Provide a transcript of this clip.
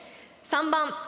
３番！